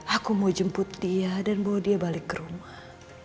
aku mau jemput dia dan bawa dia balik ke rumah